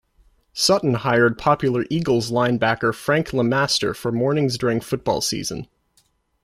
Sutton hired popular Eagles linebacker Frank LeMaster for mornings during football season.